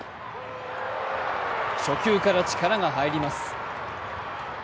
初球から力が入ります。